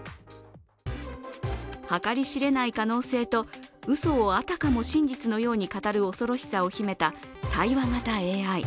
計り知れない可能性とうそをあたかも真実のように語る恐ろしさを秘めた対話型ＡＩ。